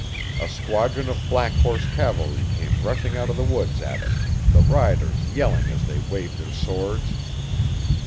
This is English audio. A squadron of black horse cavalry came rushing out of the woods at us, the riders yelling as they waved their swords.